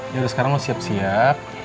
ya udah sekarang lo siap siap